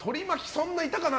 そんなにいたかな。